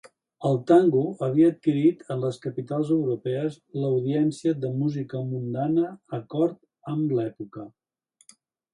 El tango havia adquirit, en les capitals europees, l'audiència de música mundana, acord amb l'època.